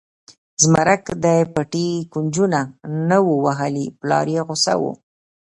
زمرک د پټي کونجونه نه و وهلي پلار یې غوسه و.